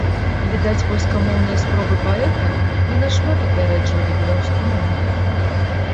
Відаць, польскамоўныя спробы паэта не на шмат апярэджвалі беларускамоўныя.